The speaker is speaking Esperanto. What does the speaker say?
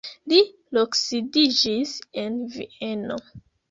Li loksidiĝis en Vieno.